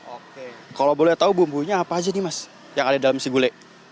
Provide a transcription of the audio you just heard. oke kalau boleh tahu bumbunya apa aja nih mas yang ada dalam si gulai